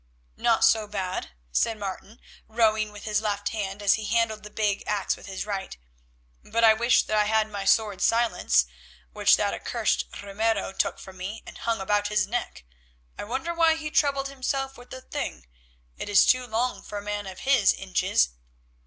"Not so bad," said Martin, rowing with his left hand as he handled the big axe with his right, "but I wish that I had my sword Silence, which that accursed Ramiro took from me and hung about his neck. I wonder why he troubled himself with the thing? It is too long for a man of his inches."